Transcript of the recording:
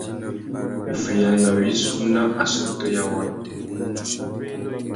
Wuffeyana wissú nà assôtô ya wôrêtê.